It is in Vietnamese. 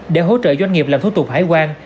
để hỗ trợ doanh nghiệp làm thủ tục hải quan